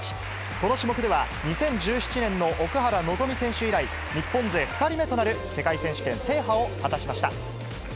この種目では、２０１７年の奥原希望選手以来、日本勢２人目となる世界選手権制覇を果たしました。